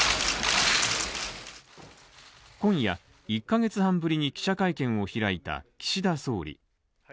今夜、１カ月半ぶりに記者会見を開いた岸田総理。